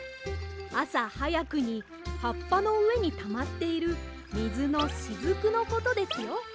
あさはやくにはっぱのうえにたまっているみずのしずくのことですよ。